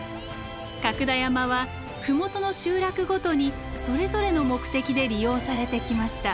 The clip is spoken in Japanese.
角田山は麓の集落ごとにそれぞれの目的で利用されてきました。